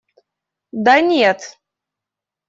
Да нет!